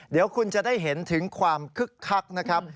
เดี๋ยวคุณจะได้เห็นถึงความคึกคักนะครับ